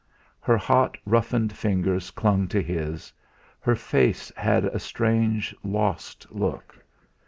Her hot, roughened fingers clung to his; her face had a strange, lost look.